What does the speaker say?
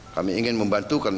kami ingin membantukan